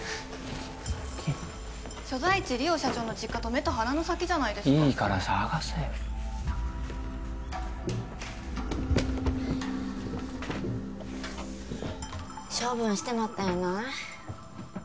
所在地梨央社長の実家と目と鼻の先じゃないですかいいから探せよ処分してまったんやない？